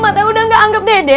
emak teh udah gak anggap dede